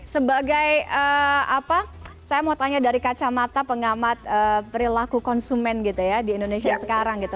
sebagai apa saya mau tanya dari kacamata pengamat perilaku konsumen gitu ya di indonesia sekarang gitu